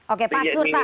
oke pak surta